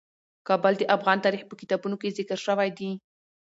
کابل د افغان تاریخ په کتابونو کې ذکر شوی دي.